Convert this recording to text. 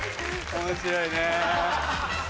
面白いね。